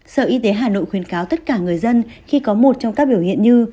sở y tế hà nội khuyến cáo tất cả người dân khi có một trong các biểu hiện như